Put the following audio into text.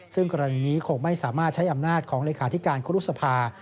ซึ่งกรณีนี้คงไม่สามารถใช้อำนาจของเลขาธิการครุสภา